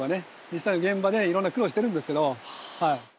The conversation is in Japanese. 実際の現場でいろんな苦労してるんですけど。